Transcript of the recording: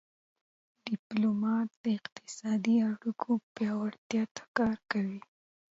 ډيپلومات د اقتصادي اړیکو پیاوړتیا ته کار کوي.